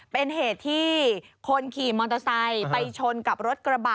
เป็นเหตุที่คนขี่มอเตอร์ไซค์ไปชนกับรถกระบะ